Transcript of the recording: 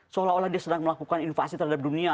seolah olah dia sedang melakukan invasi terhadap dunia